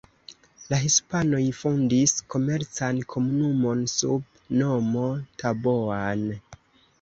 La hispanoj fondis komercan komunumon sub nomo Taboan.